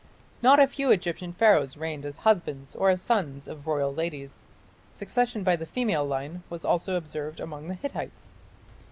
Not a few Egyptian Pharaohs reigned as husbands or as sons of royal ladies. Succession by the female line was also observed among the Hittites.